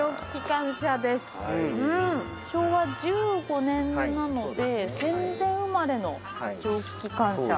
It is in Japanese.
昭和１５年なので戦前生まれの蒸気機関車。